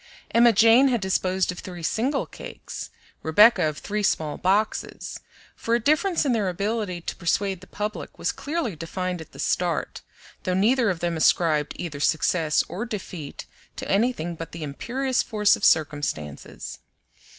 Emma Jane had disposed of three single cakes, Rebecca of three small boxes; for a difference in their ability to persuade the public was clearly defined at the start, though neither of them ascribed either success or defeat to anything but the imperious force of circumstances.